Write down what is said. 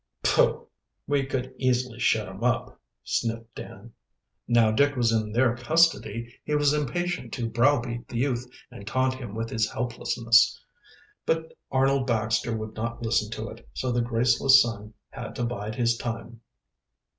"Pooh! we could easily shut him up!" sniffed Dan. Now Dick was in their custody he was impatient to browbeat the youth and taunt him with his helplessness. But Arnold Baxter would not listen to it, so the graceless son had to bide his time.